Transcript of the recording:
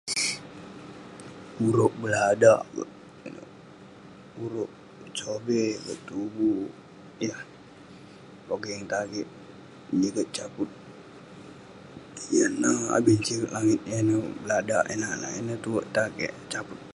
Urouk beladak, urouk sobey ; tuvu yah pogeng tan kek menyiget saput. Yan neh abin siget langit yan neh beladak ineh lah. Ineh tue tan kek saput.